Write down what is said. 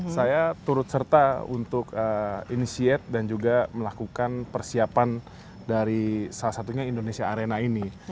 saya turut serta untuk inisiat dan juga melakukan persiapan dari salah satunya indonesia arena ini